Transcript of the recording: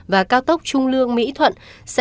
và cao tốc trung lương mỹ thuận